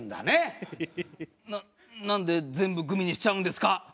なっなんで全部グミにしちゃうんですか？